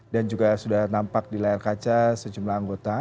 dan juga sudah nampak di layar kaca sejumlah anggota